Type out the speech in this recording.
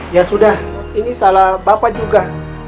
ya sudah ini salah bapak juga